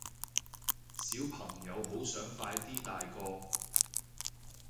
小朋友好想快啲大個